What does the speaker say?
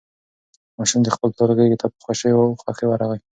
ماشوم د خپل پلار غېږې ته په خوښۍ ورغی.